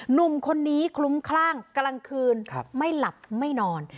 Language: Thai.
หนุ่มคนนี้คลุ้มคลั่งกลางคืนไม่หลับไม่นอน